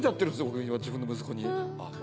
僕今自分の息子に。